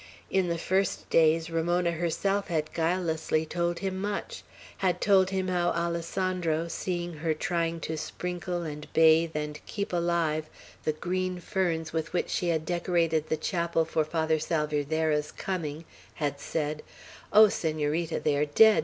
In the first days Ramona herself had guilelessly told him much, had told him how Alessandro, seeing her trying to sprinkle and bathe and keep alive the green ferns with which she had decorated the chapel for Father Salvierderra's coming, had said: "Oh, Senorita, they are dead!